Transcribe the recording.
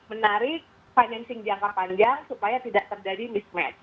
menarik financing jangka panjang supaya tidak terjadi mismatch